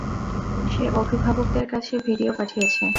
সে অভিভাবকদের কাছে ভিডিও পাঠিয়েছে!